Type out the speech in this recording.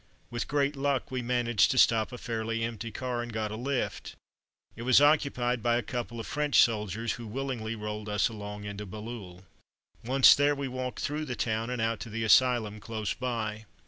With great luck we managed to stop a fairly empty car, and got a lift. It was occupied by a couple of French soldiers who willingly rolled us along into Bailleul. Once there, we walked through the town and out to the asylum close by.